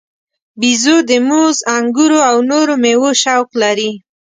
بیزو د موز، انګورو او نورو میوو شوق لري.